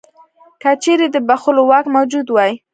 که چیرې د بخښلو واک موجود وای.